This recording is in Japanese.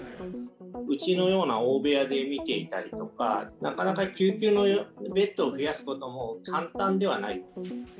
うちのような大部屋で診ていたりとか、なかなか救急のベッドを増やすことも簡単ではない。